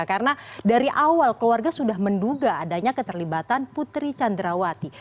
karena dari awal keluarga sudah menduga adanya keterlibatan putri candrawati